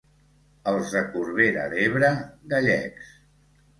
Els de Corbera d'Ebre, gallecs.